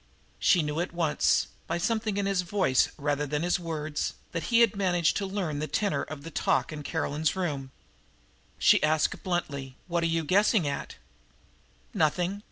She knew at once, by something in his voice rather than his words, that he had managed to learn the tenor of the talk in Caroline's room. She asked bluntly: "What are you guessing at?" "Nothing.